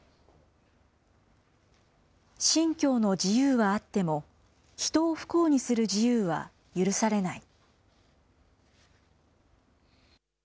信教の自由はあっても、人を不幸にする自由は許されない。